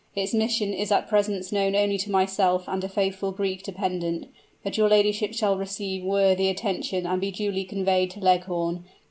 Its mission is at present known only to myself and a faithful Greek dependent; but your ladyship shall receive worthy attention and be duly conveyed to Leghorn.